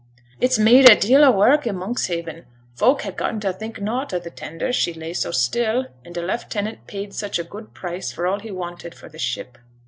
'It's made a deal o' wark i' Monkshaven. Folk had gotten to think nought o' t' tender, she lay so still, an' t' leftenant paid such a good price for all he wanted for t' ship.